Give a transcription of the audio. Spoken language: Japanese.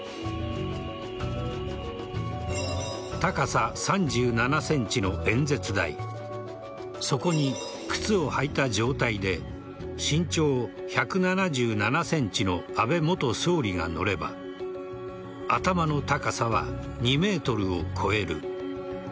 高さ３７ｃｍの演説台そこに靴を履いた状態で身長１７７ｃｍの安倍元総理が乗れば頭の高さは２ｍを超える。